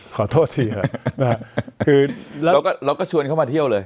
ขอโทษทีค่ะคือเราก็ชวนเขามาเที่ยวเลย